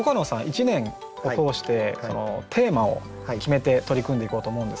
一年を通してテーマを決めて取り組んでいこうと思うんですが。